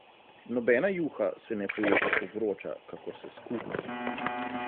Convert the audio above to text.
Nobena juha se ne poje tako vroča, kakor se skuha.